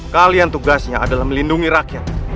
kalian tugasnya adalah melindungi rakyat